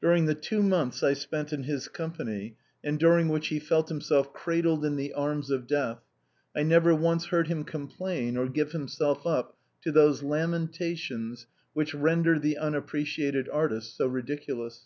During the two months I spent in his company, and during which he felt himself cradled in the arms of Death, I never once heard him complain or give himself up to those lamentations which render the unappreciated artist so ridiculous.